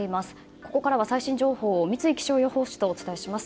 ここからは最新情報を三井気象予報士とお伝えします。